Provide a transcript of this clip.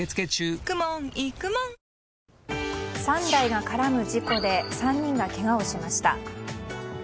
３台が絡む事故で３人がけがをしました。